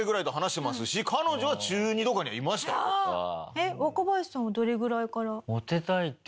えっ若林さんはどれぐらいから？